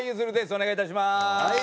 お願いいたします。